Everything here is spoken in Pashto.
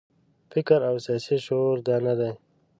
فکر او سیاسي شعور دا نه دی.